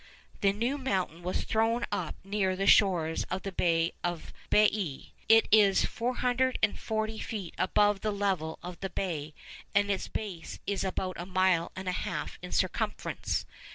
The new mountain was thrown up near the shores of the Bay of Baiæ. It is 440 feet above the level of the bay, and its base is about a mile and a half in circumference.